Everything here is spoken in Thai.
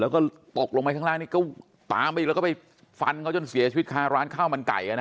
แล้วก็ตกลงไปข้างล่างนี่ก็ตามไปอีกแล้วก็ไปฟันเขาจนเสียชีวิตคาร้านข้าวมันไก่